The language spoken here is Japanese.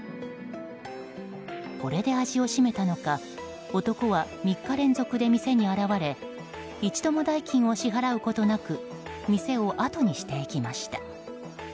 これで味をしめたのか男は３日連続で店に現れ一度も代金を支払うことなく店をあとにしていきました。